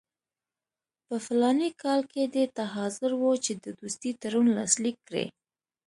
په فلاني کال کې دې ته حاضر وو چې د دوستۍ تړون لاسلیک کړي.